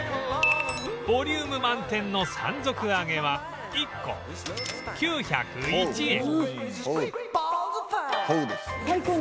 ボリューム満点の山賊揚げは１個９０１円